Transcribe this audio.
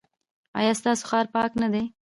ایا ستاسو ښار پاک نه دی؟